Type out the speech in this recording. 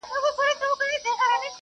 تاسو تراوسه دا اپلیکیشن نه دی کارولی؟